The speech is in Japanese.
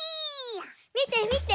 みてみて！